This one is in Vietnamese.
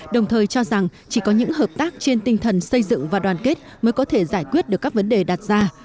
đồng thời cho rằng chỉ có những hợp tác trên tinh thần xây dựng và đoàn kết mới có thể giải quyết được các vấn đề đặt ra